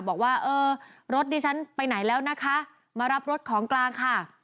บอกว่าเออรถดิฉันไปไหนแล้วนะคะมารับรถของกลางค่ะ